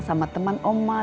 sama teman om ah